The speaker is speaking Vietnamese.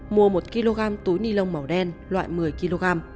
mua một kg túi ni lông màu đen loại một mươi kg